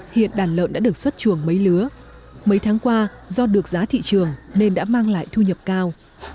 hiện đàn lợn đã được xuất chuồng mấy lứa mấy tháng qua do được giá thị trường nên đã mang lại thu nhập cao